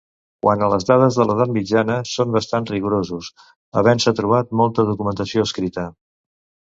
Quant a les dades de l'Edat Mitjana són bastant rigorosos, havent-se trobat molta documentació escrita.